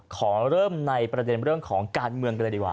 ขอเริ่มในประเด็นเรื่องของการเมืองกันเลยดีกว่า